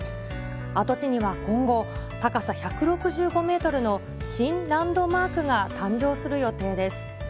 跡地には今後、高さ１６５メートルの新ランドマークが誕生する予定です。